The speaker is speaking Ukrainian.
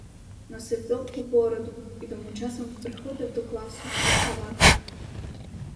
Носив довгу бороду і тому часом приходив до класу без краватки.